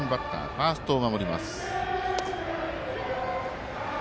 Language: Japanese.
ファーストを守ります。